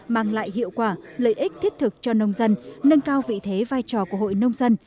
mang lại hiệu quả lợi ích thiết thực cho nông dân nâng cao vị thế vai trò của hội nông dân